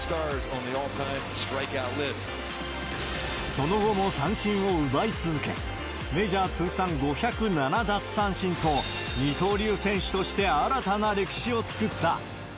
その後も三振を奪い続け、メジャー通算５０７奪三振と、二刀流選手として新たな歴史を作った。